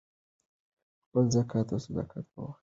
خپل زکات او صدقات په وخت ورکړئ.